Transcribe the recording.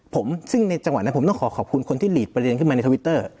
ผมซึ่งในจังหวะนั้นผมต้องขอขอบคุณคนที่หลีกประเด็นขึ้นมาในทวิตเตอร์